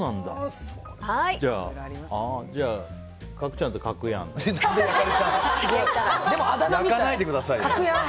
じゃあ、角ちゃんは角ヤーン。焼かないでくださいよ！